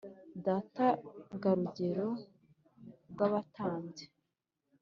data ga rugero rwabatambyi